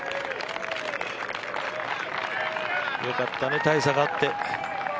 よかったね、大差があって。